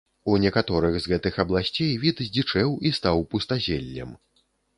У некаторых з гэтых абласцей, від здзічэў і стаў пустазеллем.